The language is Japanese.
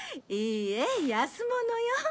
いいえ安物よ。